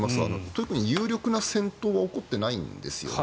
特に有力な戦闘は起こってないんですね。